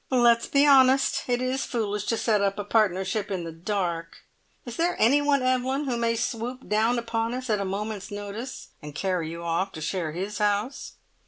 "Let's be honest. It is foolish to set up a partnership in the dark. Is there anyone, Evelyn, who may swoop down upon us at a moment's notice, and carry you off to share his house?"